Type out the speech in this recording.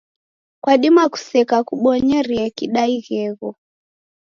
Kwadima kuseka kubonyerie kida ighegho.